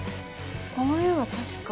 この絵は確か。